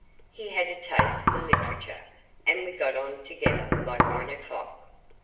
He had a taste for literature, and we got on together like one o'clock.